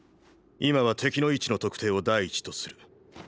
今は敵の位置の特定を第一とする。